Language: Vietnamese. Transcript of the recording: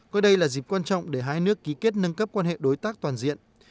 coi đây là dịp quan trọng để hai nước ký kết nâng cấp quan hệ đối tác toàn diện